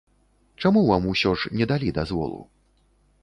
Чаму вам усё ж не далі дазволу?